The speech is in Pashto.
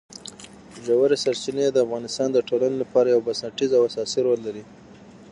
ژورې سرچینې د افغانستان د ټولنې لپاره یو بنسټیز او اساسي رول لري.